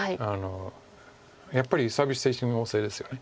やっぱりサービス精神旺盛ですよね。